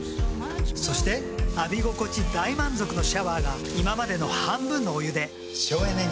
そして浴び心地大満足のシャワーが今までの半分のお湯で省エネに。